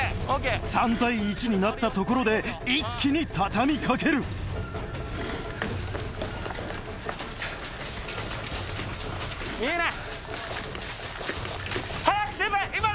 ３対１になったところで一気に畳み掛ける見えない。